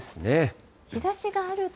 日ざしがあると。